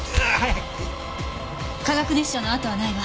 化学熱傷の痕はないわ。